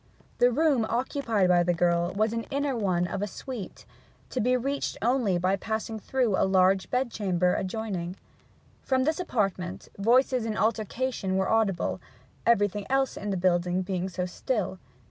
The room occupied by the girl was an inner one of a suite, to be reached only by passing through a large bedchamber adjoining. From this apartment voices in altercation were audible, everything else in the building being so still.